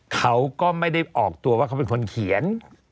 เขาก็ไม่ได้ออกตัวว่าเขาเป็นคนเขียน